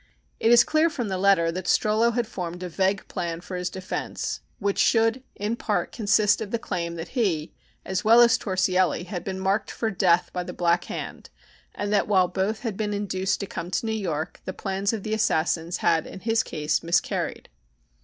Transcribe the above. ] It is clear from the letter that Strollo had formed a vague plan for his defence, which should, in part, consist of the claim that he, as well as Torsielli, had been marked for death by the Black Hand, and that while both had been induced to come to New York, the plans of the assassins had in his case miscarried.